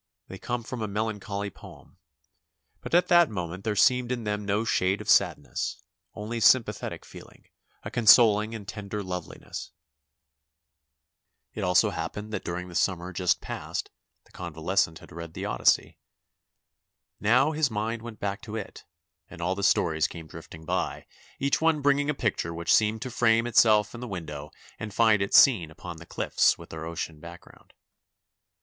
They come from a melancholy poem, but at that mo ment there seemed in them no shade of sadness, only sympathetic feeling, a consoling and tender loveliness. DIVERSIONS OF A CONVALESCENT 281 It SO happened that during the summer just past the convalescent had read the Odyssey. Now his mind went back to it and all the stories came drifting by, each one bringing a picture which seemed to frame itself in the window and find its scene upon the cliffs with their ocean background.